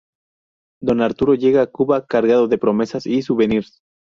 Don Arturo llega a Cuba cargado de promesas y souvenirs.